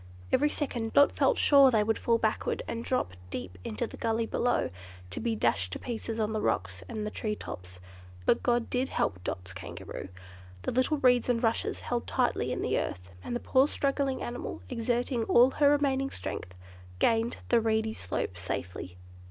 Every second Dot felt sure they would fall backward and drop deep into the gully below, to be dashed to pieces on the rocks and the tree tops. But God did help Dot's Kangaroo; the little reeds and rushes held tightly in the earth, and the poor struggling animal, exerting all her remaining strength, gained the reedy slope safely.